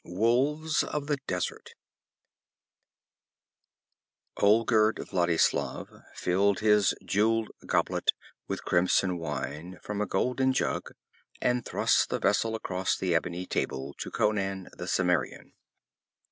4 Wolves of the Desert Olgerd Vladislav filled his jeweled goblet with crimson wine from a golden jug and thrust the vessel across the ebony table to Conan the Cimmerian.